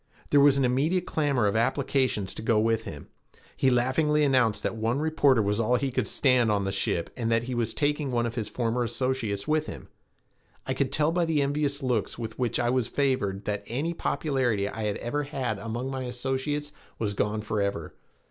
There was an immediate clamor of applications to go with him. He laughingly announced that one reporter was all that he could stand on the ship and that he was taking one of his former associates with him. I could tell by the envious looks with which I was favored that any popularity I had ever had among my associates was gone forever.